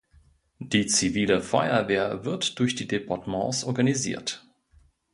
Die zivile Feuerwehr wird durch die Departements organisiert.